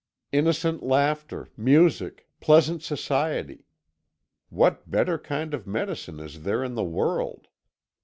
Innocent laughter, music, pleasant society what better kind of medicine is there in the world?